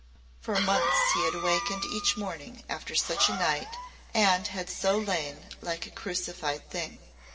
For months he had awakened each morning after such a night and had so lain like a crucified thing.